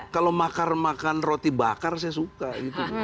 kalau makar makan roti bakar saya suka gitu